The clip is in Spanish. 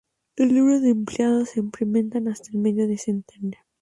El número de empleados se incrementa hasta el medio centenar.